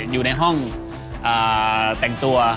อยู่ในห้องแต่งตัว